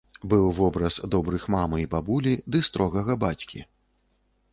Быў вобраз добрых мамы і бабулі ды строгага бацькі.